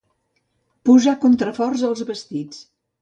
Posar contraforts als vestits.